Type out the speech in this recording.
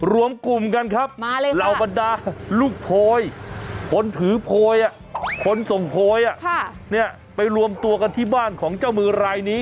รวมกลุ่มกันครับเหล่าบรรดาลูกโพยคนถือโพยคนส่งโพยไปรวมตัวกันที่บ้านของเจ้ามือรายนี้